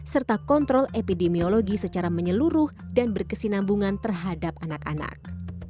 serta kontrol epidemiologi secara menyeluruh dan berkesinambungan terhadap anak anak